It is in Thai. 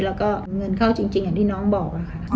แล้วก็เงินเข้าจริงอย่างที่น้องบอกค่ะ